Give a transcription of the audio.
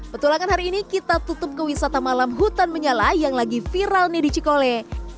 betul akan hari ini kita tutup kewisata malam hutan menyala yang lagi viral nih di cikole